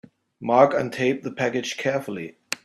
Mark untaped the package carefully.